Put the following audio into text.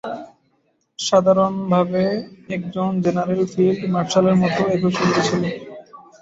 সাধারণভাবে, একজন জেনারেলের ফিল্ড মার্শালের মতো একই সুবিধা ছিল।